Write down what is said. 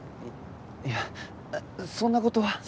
いやそんな事は。